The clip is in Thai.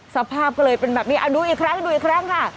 สภาพก็เลยเป็นแบบนี้เอาดูอีกครั้งดูอีกครั้งค่ะ